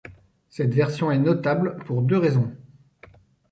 Cette version est notable pour deux raisons.